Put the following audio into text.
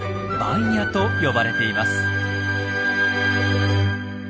「番屋」と呼ばれています。